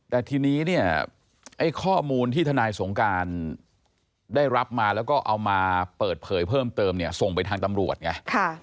แต่ทีนี้เนี่ยไอ้ข้อมูลที่ทนายสงการได้รับมาแล้วก็เอามาเปิดเผยเพิ่มเติมเนี่ยส่งไปทางตำรวจไง